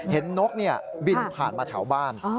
นกบินผ่านมาแถวบ้าน